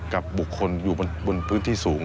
กับบุคคลอยู่บนพื้นที่สูง